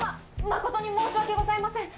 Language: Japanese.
誠に申し訳ございません。